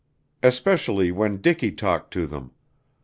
Especially when Dicky talked to them.